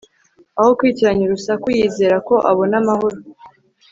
aho kwitiranya urusaku, yizera ko abona amahoro